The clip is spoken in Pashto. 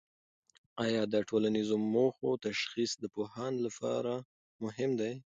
آیا د ټولنیزو موخو تشخیص د پوهاند لپاره مهم دی؟